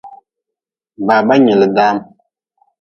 Baba nyili dam.